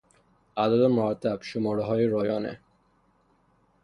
اعداد مرتب، شمارههای رایانه